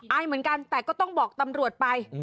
เหมือนกันแต่ก็ต้องบอกตำรวจไป